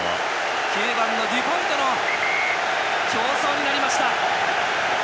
９番のデュポンとの勝負になりました。